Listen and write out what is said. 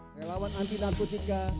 kepala bnn di jakarta